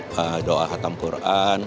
dan kita ada doa hatam quran